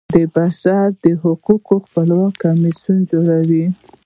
د بشر د حقوقو خپلواک کمیسیون جوړول.